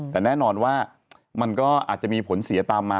แต่แน่นอนว่ามันก็อาจจะมีผลเสียตามมา